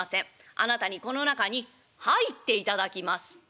あなたにこの中に入っていただきます」。